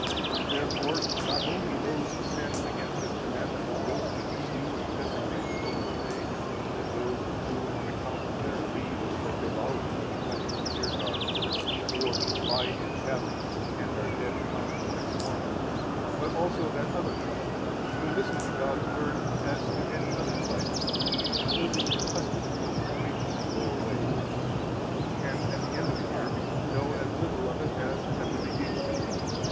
96 Therefore not only those sin against this commandment who grossly misuse and desecrate the holy day, as those who on account of their greed or frivolity neglect to hear God's Word or lie in taverns and are dead drunk like swine; but also that other crowd, who listen to God's Word as to any other trifle, and only from custom come to preaching, and go away again, and at the end of the year know as little of it as at the beginning.